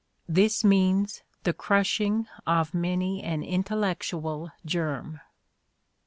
This means the crushing of many an intellectual germ."